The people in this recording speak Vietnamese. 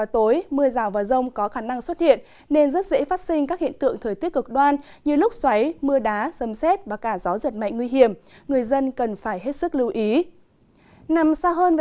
trong cơn rông có khả năng xảy ra gió giật mạnh